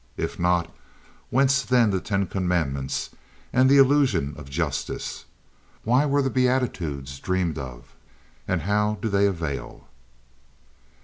If not, whence then the Ten Commandments and the illusion of justice? Why were the Beatitudes dreamed of and how do they avail?